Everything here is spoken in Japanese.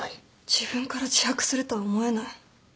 自分から自白するとは思えない。